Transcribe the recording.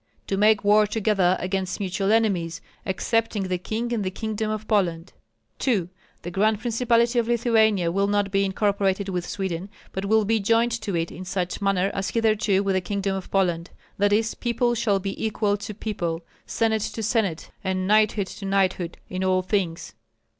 To make war together against mutual enemies, excepting the king and the kingdom of Poland. "2. The Grand Principality of Lithuania will not be incorporated with Sweden, but will be joined to it in such manner as hitherto with the kingdom of Poland; that is, people shall be equal to people, senate to senate, and knighthood to knighthood in all things.